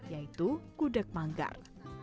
yaitu gudeg manggar